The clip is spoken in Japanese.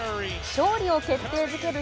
勝利を決定づける